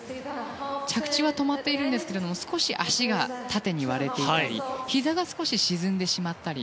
着地は止まっていますが少し足が縦に割れていたりひざが少し沈んでしまったり。